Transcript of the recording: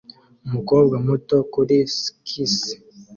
Umukobwa muto kuri skisi